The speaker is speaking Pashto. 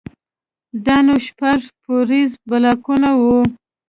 دا نو شپږ پوړيز بلاکونه وو.